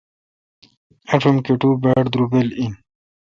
آشوم کٹو باڑدروبل این۔